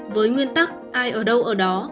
với nguyên tắc ai ở đâu ở đó